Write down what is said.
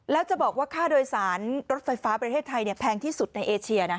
แล้วจะบอกว่าค่าโดยสารรถไฟฟ้าประเทศไทยแพงที่สุดในเอเชียนะ